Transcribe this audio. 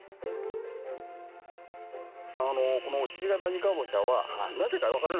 この鹿ケ谷かぼちゃはなぜか分からない